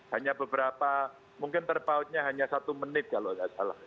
hanya beberapa mungkin terpautnya hanya satu menit kalau tidak salah